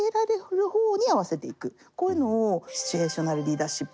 だからこういうのをシチュエーショナルリーダーシップ。